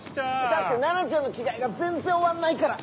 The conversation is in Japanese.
だって菜奈ちゃんの着替えが全然終わんないから！